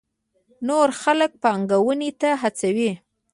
نور خلک پانګونې ته هڅوي.